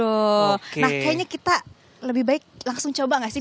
betul nah kayaknya kita lebih baik langsung coba nggak sih